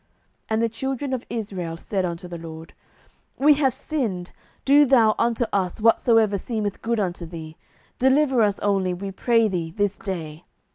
07:010:015 And the children of Israel said unto the LORD, We have sinned: do thou unto us whatsoever seemeth good unto thee; deliver us only, we pray thee, this day.